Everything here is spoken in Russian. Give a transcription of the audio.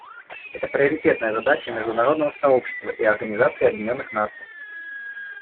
Это приоритетная задача международного сообщества и Организации Объединенных Наций.